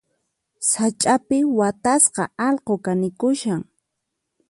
Sach'api watasqa allqu kanikushan.